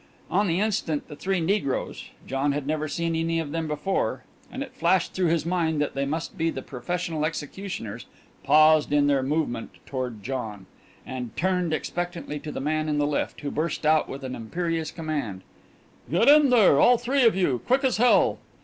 On the instant the three negroes John had never seen any of them before, and it flashed through his mind that they must be the professional executioners paused in their movement toward John, and turned expectantly to the man in the lift, who burst out with an imperious command: "Get in here! All three of you! Quick as hell!"